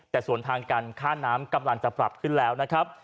แต่ส่วนทางการค่าน้ำกำลังจะปรับขึ้นแล้วนะครับ